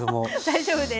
大丈夫です。